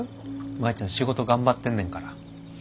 舞ちゃん仕事頑張ってんねんから。